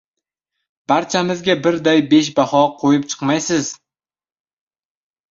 Barchamizga birday besh baho qo‘yib chiqmaysiz?!